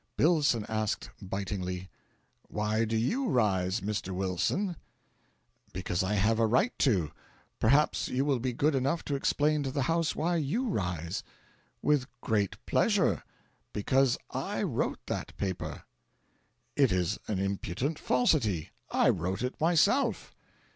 Billson asked, bitingly: "Why do YOU rise, Mr. Wilson?" "Because I have a right to. Perhaps you will be good enough to explain to the house why YOU rise." "With great pleasure. Because I wrote that paper." "It is an impudent falsity! I wrote it myself."